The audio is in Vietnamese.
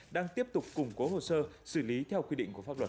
đang tiếp tục củng cố hồ sơ xử lý theo quy định của pháp luật